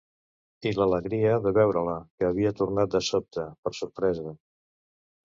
I l'alegria de veure-la, que havia tornat de sobte, per sorpresa!